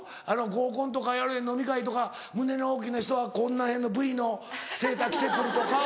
合コンとか飲み会とか胸の大きな人はこんな辺のＶのセーター着て来るとか。